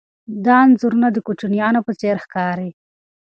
دا انځورونه د کوچنیانو په څېر ښکاري.